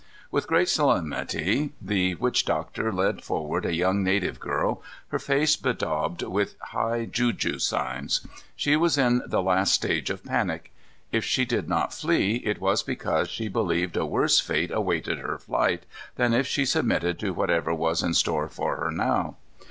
With great solemnity, the witch doctor led forward a young native girl, her face bedaubed with high juju signs. She was in the last stage of panic. If she did not flee, it was because she believed a worse fate awaited her flight than if she submitted to whatever was in store for her now.